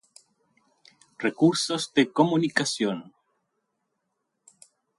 Recursos de comunicación